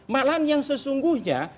malahan yang sesungguhnya